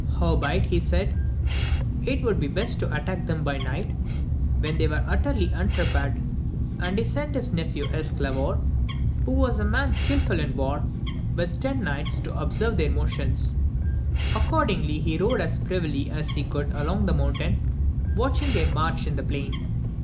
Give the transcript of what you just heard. How beit, he said, it would be best to attack them by night, when they were utterly unprepared, and he sent his nephew Esclavor, who was a man skilful in war, with ten knights, to observe their motions ; accordingly he rode as privily as he could along the mountain, watch ing their march in the plain.